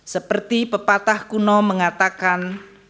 seperti pepatah kuno mengatakan